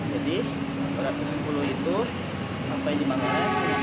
jadi dua ratus sepuluh itu sampai di manggar